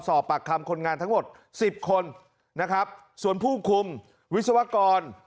สอบปากคำคนงานทั้งหมดสิบคนนะครับส่วนผู้คุมวิศวกร